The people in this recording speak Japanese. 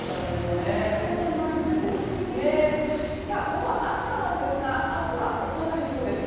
この暑さなんですが明日は収まりそうです。